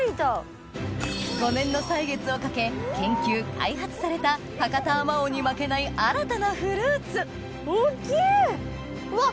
５年の歳月をかけ研究開発された博多あまおうに負けない新たなフルーツうわ